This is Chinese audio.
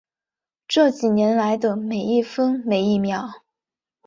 这几年来的每一分一秒